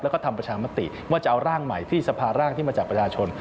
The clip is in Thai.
แล้วก็ทำประชามติว่าจะเอาร่างใหม่ที่สภาร่างที่มาจากประชาชน